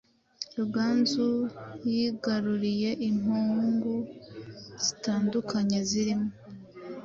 Ruganzu yigaruriye impungu zitandukanye zirimo;